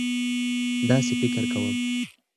داسې فکر کوم.